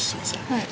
はい。